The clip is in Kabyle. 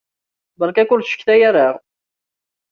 Beṛka-k ur ttcetkay ara!